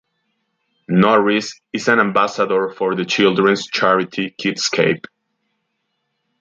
Norris is an ambassador for the children's charity Kidscape.